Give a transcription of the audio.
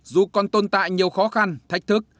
dù còn tồn tại nhiều khó khăn thách thức